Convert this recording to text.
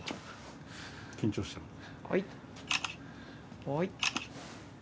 緊張してるの？